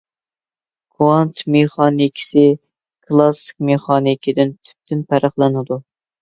كىۋانت مېخانىكىسى كىلاسسىك مېخانىكىدىن تۈپتىن پەرقلىنىدۇ.